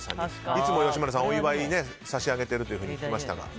いつも吉村さん、お祝いを差し上げていると聞きましたが。